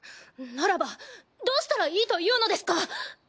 ならばどうしたらいいというのですか！